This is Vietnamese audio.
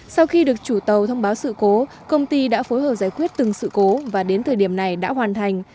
sau khi được chủ tàu thông báo sự cố công ty đã phối hợp giải quyết từng sự cố và đến thời điểm này đã hoàn thành